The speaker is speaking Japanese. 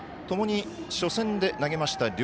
ともに初戦で投げました